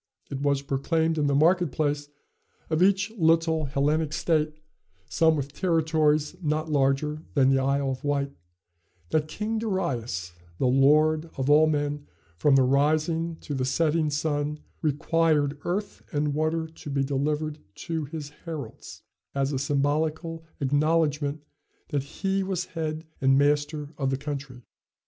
It was proclaimed in the market place of each little Hellenic state some with territories not larger than the Isle of Wight that King Darius, the lord of all men, from the rising to the setting sun, required earth and water to be delivered to his heralds, as a symbolical acknowledgment that he was head and master of the country.